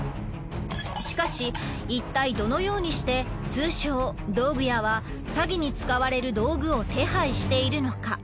しかしいったいどのようにして通称道具屋は詐欺に使われる道具を手配しているのか。